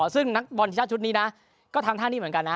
ซึ่งนักบอลทีมชาติชุดนี้นะก็ทำท่านี้เหมือนกันนะ